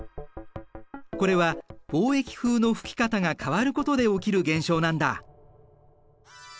これは貿易風の吹き方が変わることで起きる現象なんだ。